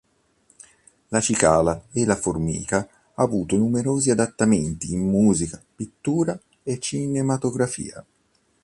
La cicala e la formica ha avuto numerosi adattamenti in musica, pittura e cinematografia.